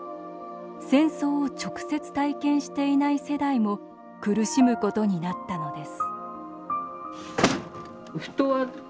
戦争を直接体験していない世代も苦しむことになったのです